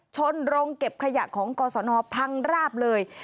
ชนโรงเก็บขยะของกศนพังราบเลย